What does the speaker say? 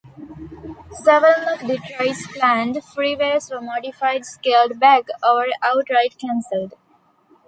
Several of Detroit's planned freeways were modified, scaled back, or outright cancelled.